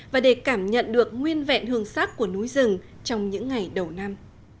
và để cảm nhận được nguyên vẹn hương sắc của núi rừng trong những ngày đầu năm